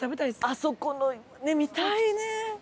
あそこの見たいね。